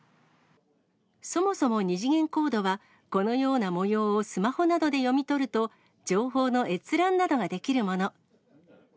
そもそも二次元コードは、このような模様をスマホなどで読み取ると、情報の閲覧などができるもの。